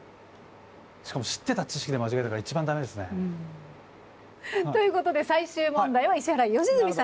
しかも知ってた知識で間違えたから一番駄目ですね。ということで最終問題は石原良純さんに出していただきました。